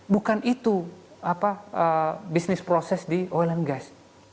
bukan itu bisnis proses di oil and gas